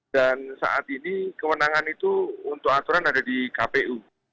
dan saat ini kewenangan itu untuk aturan ada di kpu